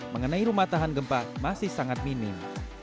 mengenai rumah tahan gempa masih sangat minim